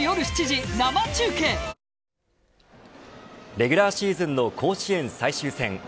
レギュラーシーズンの甲子園最終戦。